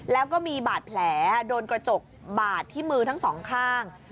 แล้วก็มีบาดแผลโดนกระจกบาดที่มือทั้งสองข้าง